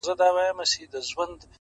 • توتکۍ چي ځالګۍ ته را ستنه سوه ,